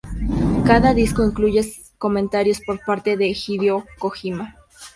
Cada disco incluye comentarios por parte de Hideo Kojima.